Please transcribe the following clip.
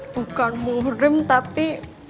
bukan muhrim tapi